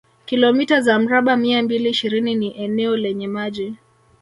Kilomita za mraba mia mbili ishirini ni eneo lenye maji